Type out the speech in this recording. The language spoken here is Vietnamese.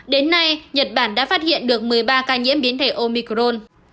đến nay nhật bản đã phát hiện được một mươi ba ca nhiễm biến thể omicron